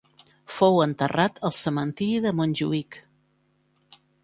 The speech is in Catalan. Fou enterrat al Cementiri de Montjuïc.